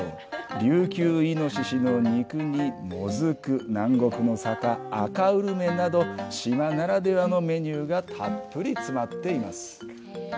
琉球イノシシの肉にモズク南国の魚、アカウルメなど島ならではのメニューがたっぷり詰まっています。